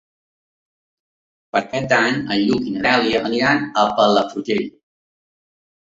Per Cap d'Any en Lluc i na Dèlia aniran a Palafrugell.